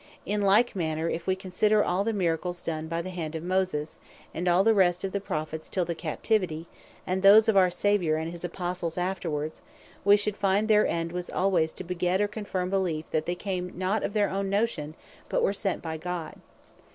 In like manner if we consider all the Miracles done by the hand of Moses, and all the rest of the Prophets, till the Captivity; and those of our Saviour, and his Apostles afterward; we shall find, their end was alwaies to beget, or confirm beleefe, that they came not of their own motion, but were sent by God.